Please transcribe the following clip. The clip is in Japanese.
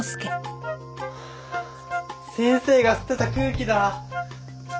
先生が吸ってた空気だ。